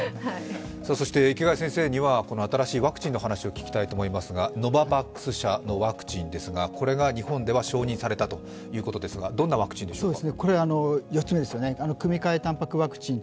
池谷先生には新しいワクチンの話を聞きたいと思いますが、ノババックス社のワクチンですがこれが日本では承認されたということですが、どんなワクチンですか４つ目ですよね、組み換えたんぱくワクチン。